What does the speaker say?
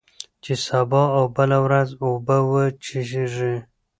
چي سبا او بله ورځ اوبه وچیږي